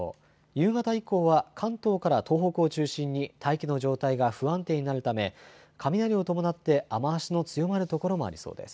夕方以降は関東から東北を中心に大気の状態が不安定になるため雷を伴って雨足の強まる所もありそうです。